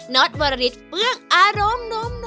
นอดวรรดิฟื้องอารมณ์